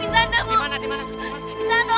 dimana kita mau melakukan bercussions